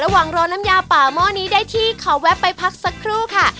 รอน้ำยาป่าหม้อนี้ได้ที่ขอแวะไปพักสักครู่ค่ะ